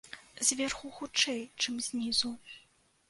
Зверху хутчэй, чым знізу.